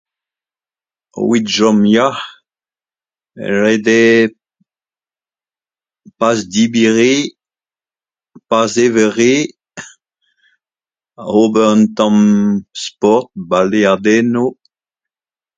Evit chom yac'h, red eo, pass debriñ re, pass evañ re, ober un tamm sport, baleadennoù